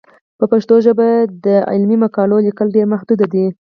په پښتو ژبه د علمي مقالو لیکل ډېر محدود دي.